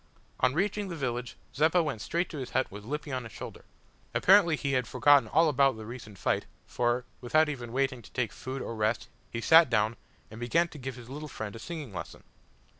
On reaching the village, Zeppa went straight to his hut with Lippy on his shoulder. Apparently he had forgotten all about the recent fight for, without even waiting to take food or rest he sat down, and began to give his little friend a singing lesson!